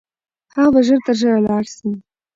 هغه به ژر تر ژره لاړ سي.